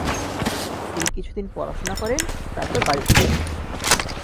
তিনি কিছুদিন পড়াশোনা করেন ; তারপর বাড়ি ফিরে আসেন।